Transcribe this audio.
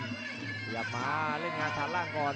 เดี๋ยวมาเล่นงานฐานล่างก่อน